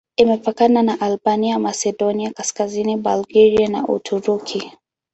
Imepakana na Albania, Masedonia Kaskazini, Bulgaria na Uturuki.